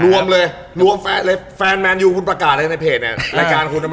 รวมเลยรวมแฟนแมนยูคุณประกาศได้ในเพจเนี่ยรายการคุณนะไหม